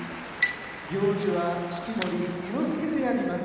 行司は式守伊之助であります。